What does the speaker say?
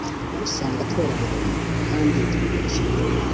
Usanga tworohereye kandi turyoshye